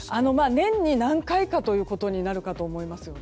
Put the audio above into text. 年に何回かということになるかと思います。